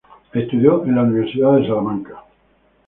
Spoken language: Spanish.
Estudió en la Universidad Johns Hopkins en Baltimore.